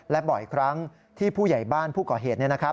และบ่อยครั้งที่ผู้ใหญ่บ้านผู้ก่อเหตุ